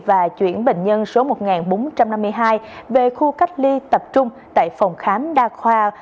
và chuyển bệnh nhân số một nghìn bốn trăm năm mươi hai về khu cách ly tập trung tại phòng khám đa khoa